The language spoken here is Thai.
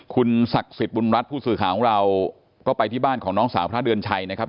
คุณศักดิ์สิทธิ์บุญรัฐผู้สื่อข่าวของเราก็ไปที่บ้านของน้องสาวพระเดือนชัยนะครับ